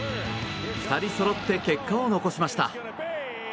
２人そろって結果を残しました。